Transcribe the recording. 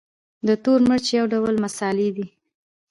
تور مرچ یو ډول مسالې دي